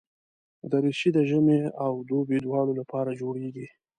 دریشي د ژمي او دوبي دواړو لپاره جوړېږي.